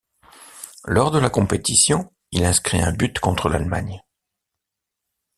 Lors de la compétition, il inscrit un but contre l'Allemagne.